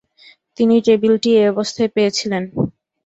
তিনি টেবিলটি এ অবস্থায় পেয়েছিলেন।